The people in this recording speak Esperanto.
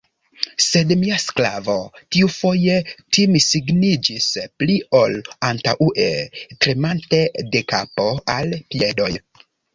Sed mia sklavo tiufoje timsigniĝis pli ol antaŭe, tremante de kapo al piedoj.